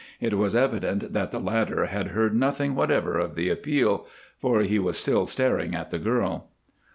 It was evident that the latter had heard nothing whatever of the appeal, for he was still staring at the girl.